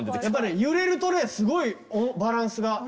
やっぱ揺れるとねすごいバランスが。